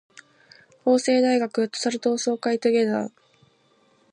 法政大学フットサル同好会 together